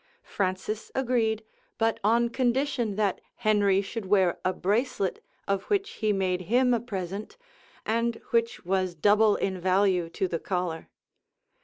Francis agreed, but on condition that Henry should wear a bracelet of which he made him a present, and which was double in value to the collar.